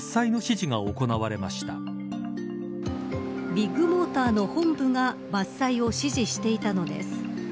ビッグモーターの本部が伐採を指示していたのです。